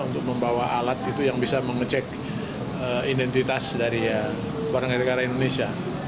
untuk membawa alat itu yang bisa mengecek identitas dari warga negara indonesia